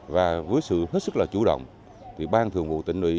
và với sự hết sức là chủ động thì ban thường vụ tỉnh ủy